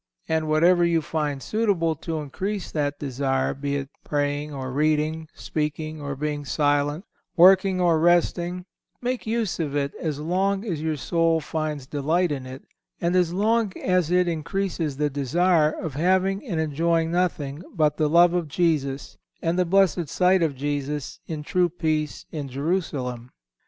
And whatever you find suitable to increase that desire, be it praying or reading, speaking or being silent, working or resting, make use of it as long as your soul finds delight in it, and as long as it increases the desire of having and enjoying nothing but the love of Jesus and the blessed sight of Jesus in true peace in Jerusalem.